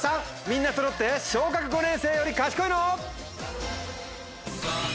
みんなそろって小学５年生より賢いの？